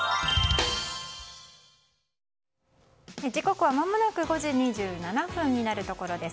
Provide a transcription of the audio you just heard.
時刻はまもなく５時２７分になるところです。